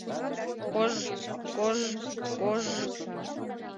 Кож-ж, кож-ж, кож-ж!